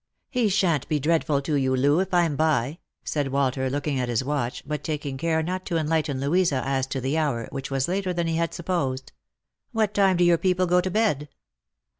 " He shan't be dreadful to you, Loo, if I'm by," said Walter, looking at his watch, but taking care not to enlighten Lonisa as to the hour, which was later than he had supposed. " What time do your people go to bed